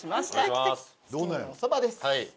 月見のおそばです。